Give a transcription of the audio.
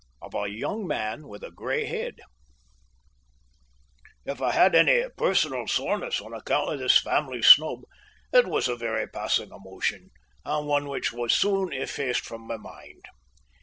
OF A YOUNG MAN WITH A GREY HEAD If I had any personal soreness on account of this family snub, it was a very passing emotion, and one which was soon effaced from my mind.